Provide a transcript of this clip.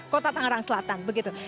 kota tangerang selatan begitu